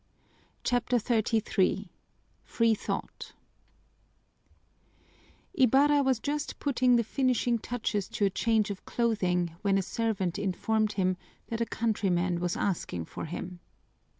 CHAPTER XXXIII Free Thought Ibarra was just putting the finishing touches to a change of clothing when a servant informed him that a countryman was asking for him.